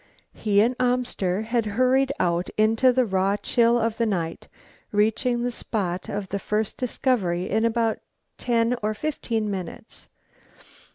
He and Amster had hurried out into the raw chill of the night, reaching the spot of the first discovery in about ten or fifteen minutes.